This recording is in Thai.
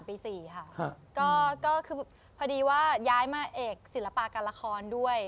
พอดีว่าย้ายมาเอกศิลปาการละครด้วย